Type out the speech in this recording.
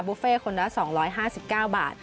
เฟ่คนละ๒๕๙บาท